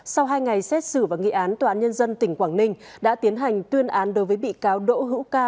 sau hai ngày xét xử và nghị án tòa án nhân dân tỉnh quảng ninh đã tiến hành tuyên án đối với bị cáo đỗ hữu ca